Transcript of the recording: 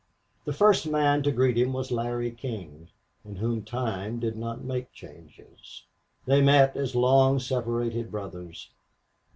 The first man to greet him was Larry King, in whom time did not make changes. They met as long separated brothers.